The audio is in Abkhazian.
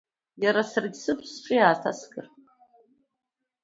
Иара саргьы сыбз сҿы иааҭаскыр…